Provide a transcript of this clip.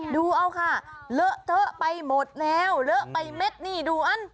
ดูเอาค่ะเลอะเทอะไปหมดแล้วเลอะไปเม็ดนี่ดูอัน